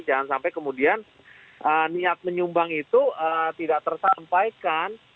jangan sampai kemudian niat menyumbang itu tidak tersampaikan